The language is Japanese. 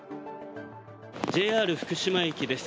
ＪＲ福島駅です。